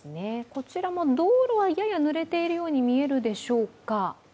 こちらも道路はややぬれているように見えるでしょうか。